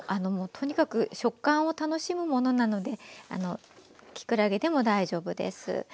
とにかく食感を楽しむものなのできくらげでも大丈夫です。